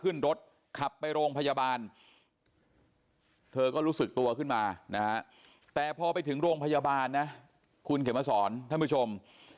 ขึ้นรถขับไปโรงพยาบาลเธอก็รู้สึกตัวขึ้นมานะฮะแต่พอไปถึงโรงพยาบาลนะคุณเขียนมาสอนท่านผู้ชม